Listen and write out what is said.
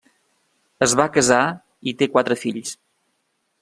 Es va casar i té quatre fills.